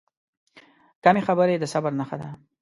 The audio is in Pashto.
کمې خبرې، د صبر نښه ده.